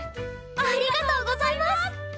ありがとうございます！